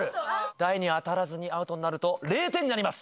台に当たらずにアウトになると０点になります。